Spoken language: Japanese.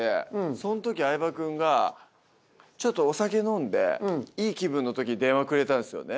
そん時相葉君がちょっとお酒飲んでいい気分の時に電話くれたんですよね。